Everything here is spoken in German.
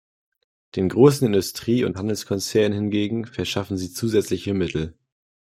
Den großen Industrie- und Handelskonzernen hingegen verschaffen sie zusätzliche Mittel.